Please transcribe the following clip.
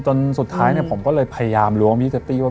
จนสุดท้ายผมก็เลยพยายามล้วงพี่เซฟตี้ว่า